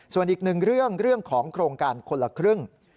ส่วนอีกหนึ่งเรื่องของโครงการคนละครึ่ง